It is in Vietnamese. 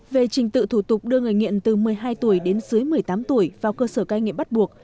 về trình tự thủ tục đưa người nghiện từ một mươi hai tuổi đến dưới một mươi tám tuổi vào cơ sở cai nghiện bắt buộc